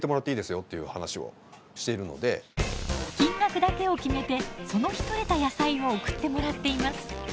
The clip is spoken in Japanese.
金額だけを決めてその日とれた野菜を送ってもらっています。